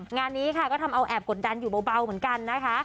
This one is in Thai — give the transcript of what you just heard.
งานนี้ค่ะก็ทำเอาแอบกดดันอยู่เบาเหมือนกันนะคะ